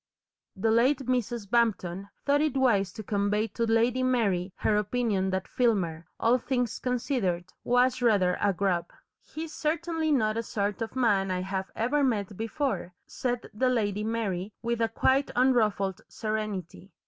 The late Mrs. Bampton thought it wise to convey to Lady Mary her opinion that Filmer, all things considered, was rather a "grub." "He's certainly not a sort of man I have ever met before," said the Lady Mary, with a quite unruffled serenity.